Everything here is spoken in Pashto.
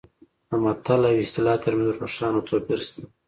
د متل او اصطلاح ترمنځ روښانه توپیر شته